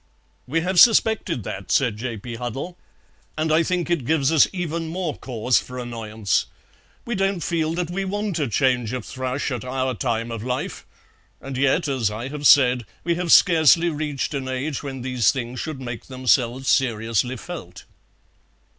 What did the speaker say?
"We have suspected that," said J. P. Huddle, "and I think it gives us even more cause for annoyance. We don't feel that we want a change of thrush at our time of life; and yet, as I have said, we have scarcely reached an age when these things should make themselves seriously felt."